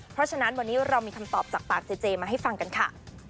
เพราะฉะนั้นวันนี้เรามีคำตอบจากปากเจเจมาให้ฟังกันค่ะ